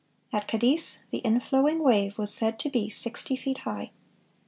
At Cadiz the inflowing wave was said to be sixty feet high.